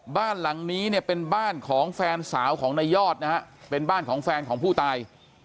บ้านหลังนี้เนี่ยเป็นบ้านของแฟนสาวของนายยอดนะฮะเป็นบ้านของแฟนของผู้ตาย